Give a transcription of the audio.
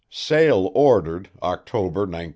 Sale ordered October, 1914.